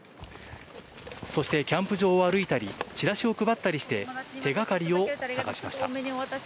そして、キャンプ場を歩いたり、チラシを配ったりして、手がかりを探しました。